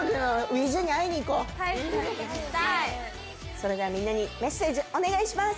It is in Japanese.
それではみんなにメッセージお願いします。